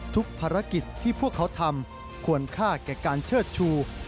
ทุกภารกิจที่พวกเขาทำควรค่าแก่การเชิดชู